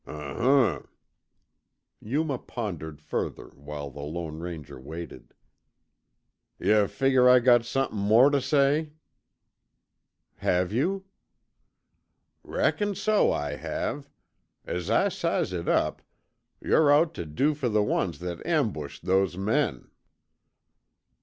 "Um h'm." Yuma pondered further while the Lone Ranger waited. "Yuh figger I got somethin' more tuh say?" "Have you?" "Reckon so I have. As I size it up, yore out tuh do fer the ones that ambushed those men."